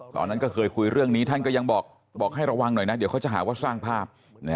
ตอนนั้นก็เคยคุยเรื่องนี้ท่านก็ยังบอกให้ระวังหน่อยนะเดี๋ยวเขาจะหาว่าสร้างภาพ